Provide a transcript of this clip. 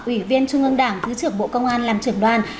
ủy viên trung ương đảng thứ trưởng bộ công an làm trưởng đoàn